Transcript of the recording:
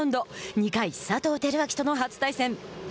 ２回、佐藤輝明との初対戦。